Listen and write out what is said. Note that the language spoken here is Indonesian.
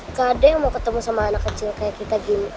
nggak ada yang mau ketemu sama anak kecil kayak kita